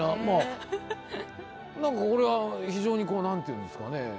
まあ何かこれは非常にこう何て言うんですかね